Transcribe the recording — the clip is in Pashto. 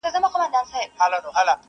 ما د خپل جانان د کوڅې لوری پېژندلی دی٫